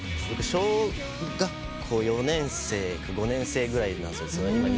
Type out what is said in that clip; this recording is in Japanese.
僕小学校４年生か５年生ぐらいなんですよ。